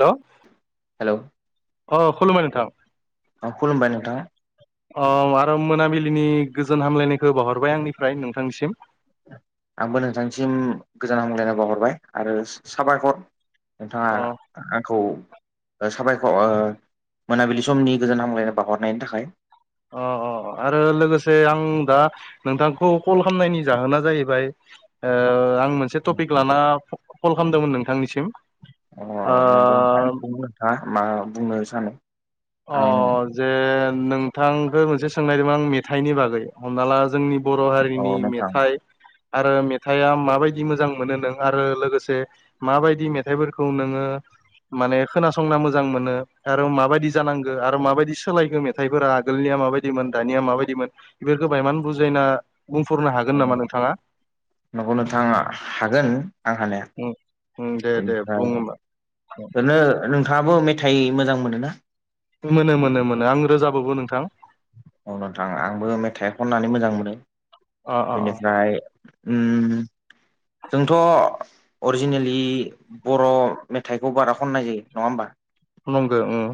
Hello hello अ खुलुमबाय नोंथां। अ खुलुमबाय नोंथां। औ आरो मोनाबिलिनि गोजोन हामलायनायखो बाहरबाय आंनिफ्राय नोंथांनिसिम आंबो नोंथांसिम गोजान हामलायनाय बावहरबाय आरो साबायखर नोंथाङा अ आंखौ साबायखर मोनाबिलि समनि गोजोन हामलायनाय बावहरनायनि थाखाय। अ अ आरो लोगोसे आं दा नोंथांखौ कल खालामनायनि जाहोना जाहैबाय ओ आं मोनसे टपिक लाना कल खालामदोंमोन नोंथांनिसिम। अ ओ नंगौ नोंथांं नोंथा मा बुंनो सानो। अ आं जे नोंथांख ोमोनसे सोंनायदोंमोन आं मेथाइनि बागै हमना ला जोंनि बर' औ हारिनि नोंथां मेथाइ आरो मेथाइआ माबायदि मोजां मोनो नों आरो लोगोसे माबायदि मेथाइफोरखौ नोङो माने खोनासंना मोजां मोनो आरो माबायदि जानांगो आरो माबायदि सोलायखो मेथाइफोरा आगोलनिया माबायदिमोन दानिया माबायदिमोन। बेफोरखो बायेमान बुजायना बुंफोरनो हागोन नामा नोंथाङा? नंगौ नोंथाङा हागोन आं हानाया उम उम दे दे बुं बेनिफ्राय होमबा ओरैनो नोंथाङाबो मेथाइ मोजां मोनो ना? मोनो मोनो मोनो आं रोजाबोबो नोंथां। औ नोंथां आंबो मेथाइ खननानै मोजां मोनो अ अ अ बेनिफ्राय उम जोंथ' अरजिनेलि बर' मेथाइखौ बारा खननाय जायो नङा ओमबा? नंगो उम।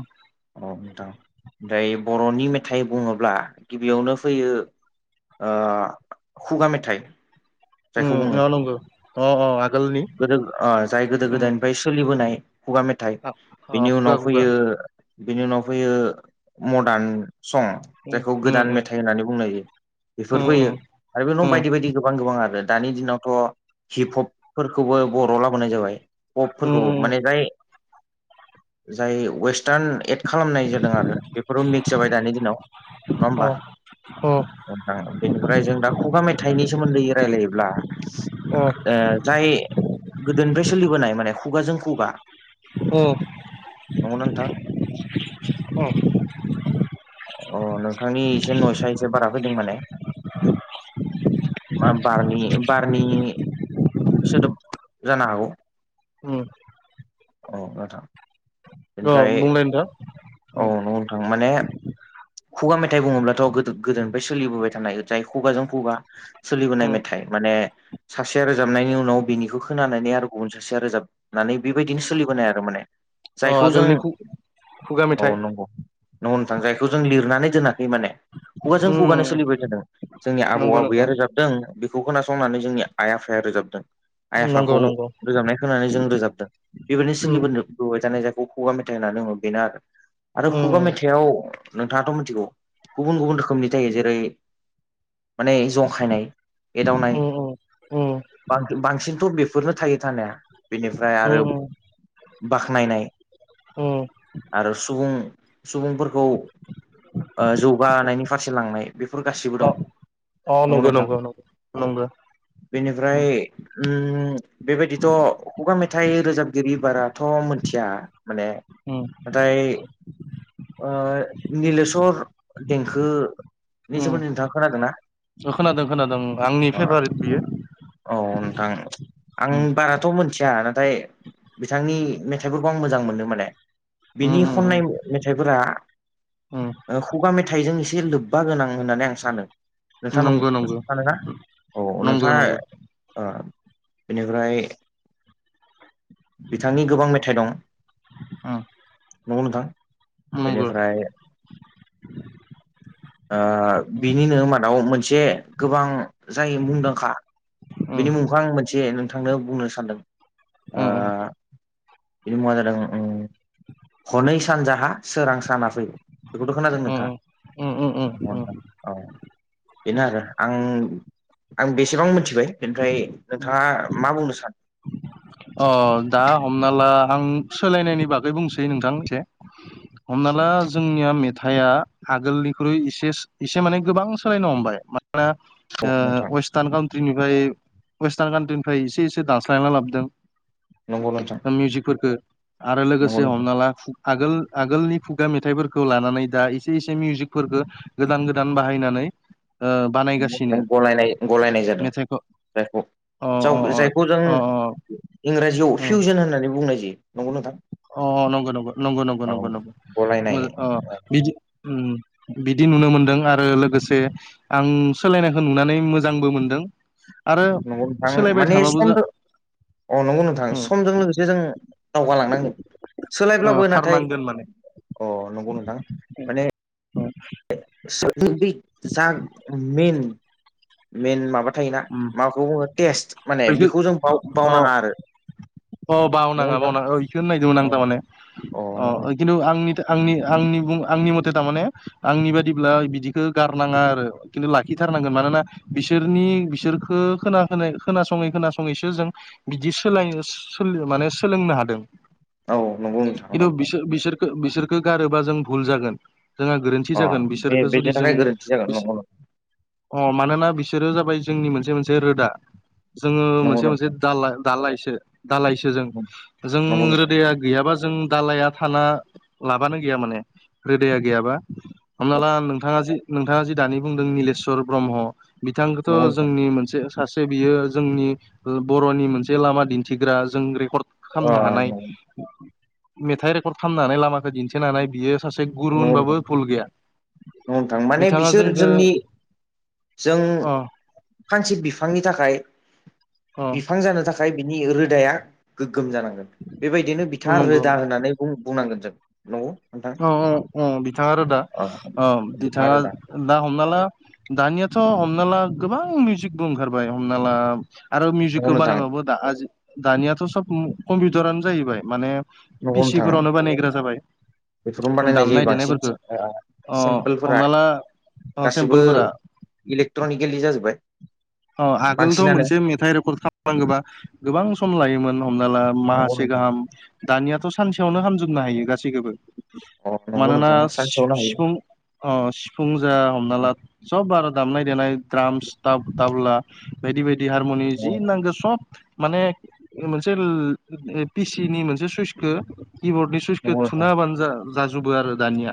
अ नोंथां ओमफ्राय बर'नि मेथाइ बुङोब्ला गिबियावनो फैयो ओ खुगा मेथाइ टच़ उम अ नंगो अ अ आगोलनि गोदो ओ जाय गोदो उम गोदायनिफ्राय सोलिबोनाय खुगा मे मेथाय अ अ बेनि खुगा उनाव खुगा फैयो बेनि उनाव फैयो मडार्न सं। उम जायखौ उम गोदान उम मेथाइ होननानै बुंनाय जायो बेफोर उम फैयो उम आरो बे न' उम बायदि बायदि गोबां गोबां आरो दानि दिनावथ' हिप हप फोरखौबो बर'आव लाबोनाय जाबाय। उम पपफोरखौ उम माने जाय जाय वेस्टार्न एट खालामनाय जादों आरो बेफोरआव मिक्स जाबाय दानि दिनाव नङा अ ओमबा? अ बेनिफ्राय जों दा खुगा मेथाइनि सोमोन्दै रायलायोब्ला अ ओ जाय गोदोनिफ्राय सोलिबोनाय माने खुगाजों खुगा अ नंगौना नोंथां अ नोंथांनि एसे नयसआ एसे बारा फैदों माने [inaudible] मा बारनि बारनि सोदोब जानो हागौ अम औ नोथां अ बेनिफ्राय बुंलाय नोंथां औ नोंथां माने खुगा मेथाइ बुङोब्लाथ' गो-गोदोनिफ्राय सोलिबोबाय थानाय जाय खुगाजों खुगा सोलिबोनाय उम मेथाइ माने सासेया रोजाबनायनि उनाव बिनिखौ खोनानानै आरो गुबुन सासेया रोजाब होननानै बेबायदिनो उम सोलिबोनाय आरो माने अ जायखौ जों आगोलनि खु खुगा औ मेथाइ नंगौ नंगौ नोंथां जायखौ जों लिरनानै दोनाखै माने खुगाजों खुगानो उम सोलिबाय थादों जोंनि आबौ नंगौ आबैया नोंथां रोजाबदों बेखौ खोनासंनानै जोंनि आइ आफाया रोजाबदों आइ आफाखौ नंगौ नंगौ रोजाबनाय होनानै जों रोजाबदों बेबायदिनो उम सोलिबोनदों जानाय जायखौ खुगा मेथाइ होनना बुङो बेनो आरो आरो खुगा उम मेथाइआव नोंथाङा थ' मिथिगौ गुबुन गुबुन रोखोमनि जायो जेरै माने जंखायनाय एदावनाय उम उम बांसिनथ' बेफोरनो थायो थानाया बेनि फ्राय उम आरो उम बाख्नायनाय उम आरो सुबुं सुबुंफोरखौ ओ‌ जौगानायनि फारसे लांनाय बेफोर गासिबो अ दं अ नंगौ नोंथां नंगौ नंगौ बेनिफ्राय अम बेबायदिथ' खुगा मेथाइ रोजाबगिरि बाराथ' मोनथिया माने अम ओमफ्राय ओ निलेशर देंखो नि उम सोमोन्दै नोंथाङा खोनादों ना खोनादों खोनादों आंनि औ फेभारेट बियो नोंथां आं उम बाराथ' मोनथिया नाथाय बिथांनि मेथाइफोरखौ आं मोजां मोनो माने बिनि उम खननाय उम मेथाइफोरा उम ओ खुगा मेथाइजों एसे लोब्बा गोनां होननानै आं सानो नोंथाङा नंगौ नंगौ सानो ना औ नंगौ नोंथाङा नंगौ ओ बिनिफ्राय बिथांनि गोबां मेथाइ दं उम नंगौ नोंथां नंगौ बेनिफ्राय ओ उम बिनिनो मादाव मोनसे गोबां जाय मुंदांखा बेनि उम मुंखौ आं मोनसे नोंथांनो बुंनो सानदों ओ उम बिनि मुङा जादों हनै सानजाहा सोरां साना फै बेखौथ' खोनादों उम नोंथां उम उम उम औ बेनो आरो आं आं बेसेबां मिथिबाय बेनिफ्राय उम नोंथाङा मा बुंनो अ सानो दा हमना ला आं सोलायनायनि बागै बुंसै नोंथां मिथिबाय हमना ला जोंनिया मेथाइआ आगोलनिख्रुइ एसे एसे माने गोबां सोलायनो हमबाय मानोना औ नोंथां ओ वेस्टार्न काउन्ट्रि निफ्राय वेस्टार्न काउन्ट्रि निफ्राय एसे एसे दानस्लायना लाबोदों नंगौ नोंथां मिउजिकफोरखो आरो नंगौ लोगोसे नोंथां हमनाला आगोल आगोलनि खुगा मेथाइफोरखौ लानानै दा एसे एसे मिउजिकफोरखो गोदान गोदान बाहायनानै ओ बानायगासिनो गलायनाय गलायनाय जादों। मेथाइखौ अ अ जायखौ जायखौ जों अ इंराजियाव अ फिउजन होननानै बुंनाय जायो। नंगौ नोंथां अ नंगौ नंगौ नंगौ नंगौ औ नंगौ नंगौ गलायनाय मोजां ओ बिदि अम बिदि नुनो मोनदों आरो लोगोसे आं सोलायनायखौ नुनानै मोजांबो मोनदों। आरो नंगौ नोंथां सोलायबाय माने थाबाबो जा समजों औ नंगौ नोंथां समजों लोगोसे जों दावगालांनांगोन ओ सोलायब्लाबो नाथाय खारनांगोन माने अ नंगौ नोंथां माने औ सिगां बे मेइन [inaudible] मेन माबा थायोना उम माखौ बुङो टेस्ट माने बेखौ जों बाव बावनांआ आरो ओ नंगौ बावनाङा नोंथां बावनाङा ओ इखौनो नायदोंमोन आं अ थारमाने अ ओ नंगौ खिन्थु आंनि आंनि आंनि बुं आंनि मथे थारमाने आंनि बादिब्ला बिदिखो गारनांआ आरो खिन्थु लाखिथारनांगोन मानोना बिसोरनि बि बिसोरखो खोना खोनासंयै खोनासंयैसो जों बिदि सोलाय सोलियो मानो सोलोंनो हादों औ नंगौ नोंथां खिन्थु नंगौ बिसोर बिसोर बिसोरखो गारोबा जों भुल जागोन जोंहा गोरोन्थि अ जागोन बे बिसोरखो बेनि जुदि जों थाखाय गोरोन्थि जागोन बि जे नंगौ अ मानोना बिसोरो जाबाय जोंनि मोनसे मोनसे रोदा जोङो नंगौ मोनसे-मोनसे नोंथां दालाय दालायसो दालायसो जों जों नंगौ ओ नोंथां रोदाया गैयाबा जों जों दालाया थाना लाबानो गैया माने रोदाया गैआबा हमना ला नोंथांआ जि नोंथांआ जि दानि बुंदों निलिसर ब्रह्म बिथां खो थ' नंगौ नोंथां जोंनि मोनसे ओनसोल सासे बियो जोंनि ओ बर'नि मोनसे लामा दिन्थिग्रा जों रेकर्ड खा अ खामनो हानाय नंगौ मेथाइ रेकर्ड खामनो हानाय लामाखौ दिन्थिनानै बियो सासे गुरु नंगौ नोंथां होनबाबो भुल गैया नंगौ नोंथां माने बिथांआ बिसोर जोंखो जोंनि जों फांसे बिफांनि थाखाय अ बिफां जानो थाखाय आमफाय बिनि रोदाया गोग्गोम जानांगोन बेबायदिनो बिथांआ नंगौ रोदा होननानै बुं बुंनांगोन जों नंगौ नोंथां औ औ औ बिथांआ रोदा अ औ बिथा बिथांआ रोदा दा हमना ला दानियाथ' हमना ला गोबां मिउजिकबो ओंखारबाय हमना ला आरो नंगौ मिउजिकखो नोंथां बानायबाबो दा आ दानिआथ' सब कम कम्पिउटारानो जाहैबाय माने नंगौ नोंथां पिसिफोरावनो बानायग्रा जाबाय बेफोरखौनो बानायनाय जायो दामनाय बांसिन देनायफोरखौ ओ अ सेमपोलफोरा हमना ला अ गासिबो सेम्पोलफोरा इलेक्ट्रनिकिलि जाजोबबाय ओ आगोलथ' मोनसे मेथाइ रेकर्ड खालामनांगोबा गोबां सम लायोमोन हमना ला नंगौ माहासे नोंथां गाहाम दानिआथ' सानसेआवनो खामजोबनो हायो गासैखौबो अ नंगौ मानोना नोंथां सि सानसेयावनो हायो सिफुं ओ सिफुं जा हमना ला नोंथां। सब आरो दामनाय-देनाय द्रामस सिथाब बावला बायदि बायदि हारमुनि नंगौ जि नांगो सब माने मोनसे ला इपिसिनि मोनसे सुइसखौ किबर्डनि सुइस सुइसखो नंगौ थुना नोंथां होबानो जा जाजुबो आरो दानिआ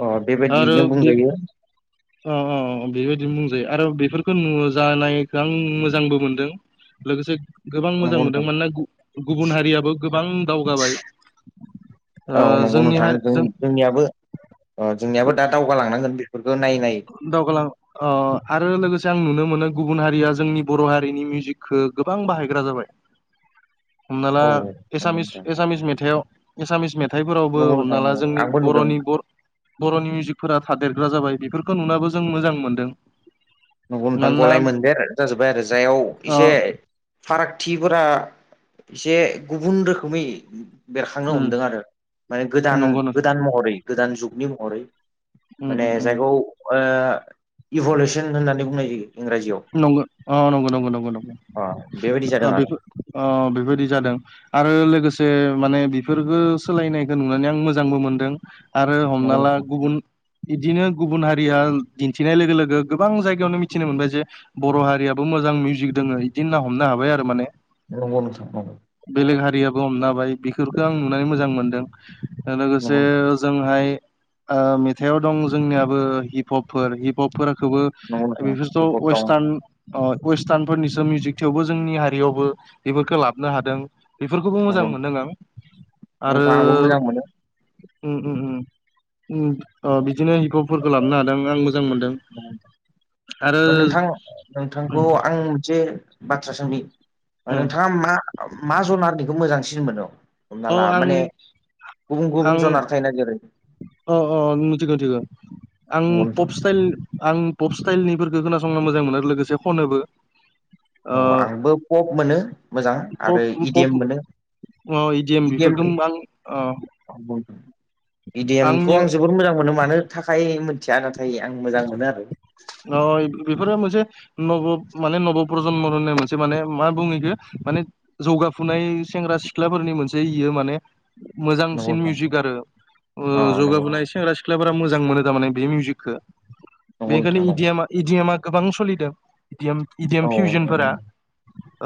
अ आरो बेबायदियैनो बेफो बुंजायो ओ ओ बेबायदिनो बुंजायो आरो बेफोरखो नु जानायखो गां‌ मोजांबो मोनदों लोगोसे गोबां मोजां नंगौ मोनदों नोंथां मानोना गु गुबुन हारिआबो गोबां दावगाबाय ओ जोंनि हारि जों नियाबो ओ जोंनिआबो दा दावगालांनांगोन बिफोरखो नायै नायै दावगालां ओ आरो लोगोसे आं नुनो मोनो गुबुन हारिआ जोंनि बर' हारिनि मिउजिकखो गोबां बाहायग्रा जाबाय हमना ला औ नंगौ एसामिस नोंथां एसामिस मेथाइआव एसामिस मेथाइफोरावबो नंगौ नोंथां हमना ला नंगौ जोंनि आंबो नुदों बर'नि बर' बर'नि मिउजिकफोरा थादेरग्रा जाबाय बेफोरखौ नुना बो जों मोजां मोनदों नंगौ नोंथां मानोना ग'लाय मोनदेर जाजोब्बाय आरो जायाव अ इसे फारागथिफोरा इसे गुबुन रोखोमै बेरखांनो उम हमदों आरो मानि गोदान नंगौ नोंथां गोदान महरै गोदान जुगनि महरै उम माने उम उम जायखौ ओ इभुलुसन होननानै बुंनाय जायो इंराजिआव नंगौ ओ नंगौ नंगौ नंगौ बेबायदि जादों ओ आरो बेफोर ओ बादि जादों आरो लोगोसे माने बेफोरफोरखो सोलायनायखौ नुनानै आं मोजांबो मोनदों आरो हमना नंगौ ला नोंथां गुबुन इदिनो गुबुन हारिया दिन्थिनाय लोगो लोगो गोबां जायगा यावनो मिथिनो मोनबाय जे बर' हारियाबो मोजां मिउजिक दोङो बिदि ना हमनो हाबाय आरो माने अ नोंथां अ बेलेग हारियाबो हमनाबाय बेफोरखौ आं नुनानै मोजां मोनदों लोगोसे नंगौ नंगौ जोंहाय ओ मेथाइआव दं जोंनियाबो हिप हप फोर हिप हपखौबो नंगौ नोंथां बेफोरथ' किबर्ड दं वेस्ट अ वेस्टार्नफोरनिसो मिउजिक थेवबो जोंनि हारियावबो बेफोरखौ लाबोनो हादों बेफोरखौबो मोजां नंगौ मोनदों आं आरो नोंथां आंबो मोजां मोनो उम उम उम उम ओ बिदिनो हिप हपफोरखौ लाबोनो हादों आं मो- मोजां मोनदों आरो नोंथां उम नोंथांखौ आं मोनसे बाथ्रा सोंनि उम नोंथाङा मा मा जुनारनिखौ मोजांसिन मोनो हमना अ ला आं माने गुबुन-गुबुन आं जनार थायो ना जेरै- अ मिथिगौ मिथिगो आं नंगौ नोंथां पप स्टाइल आं पप स्टाइलनिफोरखौ खोनासंनो मोजां मोनो आरो लोगोसे खनोबो अ ओ आंबो पप मोनो मोजां आरो पप पप इडिएम मोनो अ इडिएम बेफोरखौबां औ इडिएमखौ आं जोबोद मोजां मोनो मानो थाखाय मिथिया नाथाय आं मोजां मोनो आरो अ बेफोरो मोनसे न'बब माने नबब प्रजन्म होननाय मोनसे माने मा बुङो बेखो माने जौगाफुनाय सेंग्रा सिख्लाफोरनि मोनसे इयो माने नंगौ मोजांसिन मिउजिक आरो ओ जौगाबोनाय सेंग्रा सिख्ला [unintelligible] मोजां मोनो थारमाने बे मिउजिखौ मानि नोंथां अ नंगौ नोंथां नंगौ इडिएमा इडिएमा गोबां सोलिदों इडिएम इडिएम औ औ फिउजनफोरा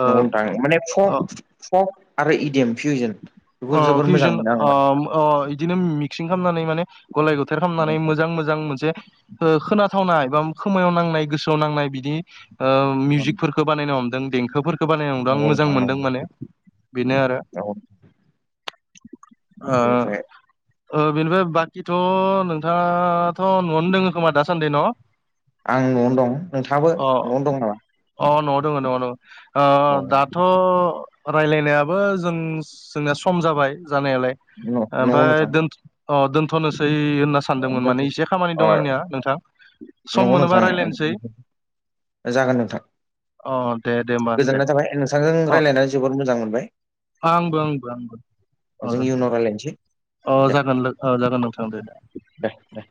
न'गौ नोथां माने ओ फक आरो इदिम फिउजन बेखौ जोबोर मोजां मोनो आं माने अ इदिनो मिक्सिं खालामनानै माने गलाय गथेर खालामनानै नंगौ मोजां-मोजां मोनसे ओ खोनाथावनाय बा खोमायाव नांनाय गोसोआव नांनाय बिदि मिउजिकफोरखौ बानायनो हमदों देंखोफोरखौ बानायनो हमदों आं मोजां नोंथां नंगौ मोनदों माने बेनो आरो औ ओ बेनिफ्राय ओ बेनिफ्राय बाखिथ' नोंथाङाथ' न'आवनो दङ खोमा दासान्दि न' आं न'आवनो दं नोंथाङाबो अ न'आवनो दं नामा अ न'आव दङ न'आव ओ औ दाथ' दाथ' रायलायनायाबो जों जोंनिया सम जाबाय जानायालाय नंगौ ओमफाय नोंथां दोन अ दोनथ'नोसै होनना सान- सानदोंमोन दोनथ' माने एसे खामानि अ दं आंनिया नोंथां सम नंगौ मोनोबा नोंथां रायलायनोसै जागोन नोंथां अ दे दे होमबा दे आ नोंथांजों अ रायलायनानै जोबोद मोजां मोनबाय आंबो आंबो आंबो अ जों इउनाव रायलायनोसै अ जागोन लो जागोन नोंथां देदे दे दे